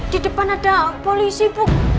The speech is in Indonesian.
di depan ada polisi bu